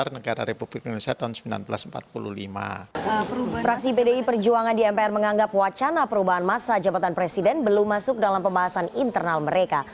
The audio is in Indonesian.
fraksi pdi perjuangan di mpr menganggap wacana perubahan masa jabatan presiden belum masuk dalam pembahasan internal mereka